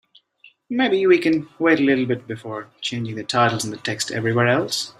Maybe we can wait a little bit before changing the titles and the text everywhere else?